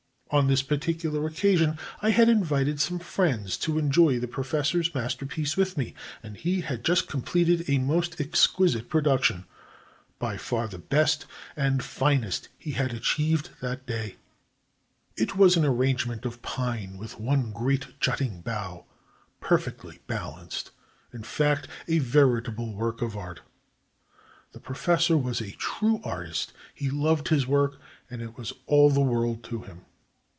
On this particular occasion I had invited some friends to enjoy the professor's master pieces with me, and he had just completed a most ex quisite production, by far the best and finest he had 420 AN ARTIST IN FLOWERS achieved that day. It was an arrangement of pine with one great jutting bough, perfectly balanced — in fact, a veritable work of art. The professor was a true artist; he loved his work, and it was all the world to him.